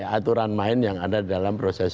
aturan main yang ada dalam proses